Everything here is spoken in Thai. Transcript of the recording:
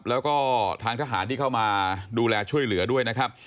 แล้วก็ทางทหารที่เข้ามาดูแลช่วยเหลือด้วยนะครับ